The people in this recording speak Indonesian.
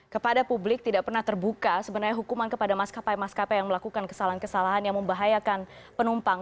kepada publik tidak pernah terbuka sebenarnya hukuman kepada maskapai maskapai yang melakukan kesalahan kesalahan yang membahayakan penumpang